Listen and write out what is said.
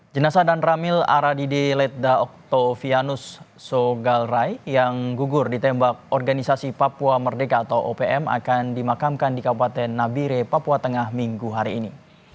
jenasa dan ramil aradidi letda oktovianus sogalrai yang gugur ditembak organisasi papua merdeka atau opm akan dimakamkan di kabupaten nabire papua tengah minggu hari ini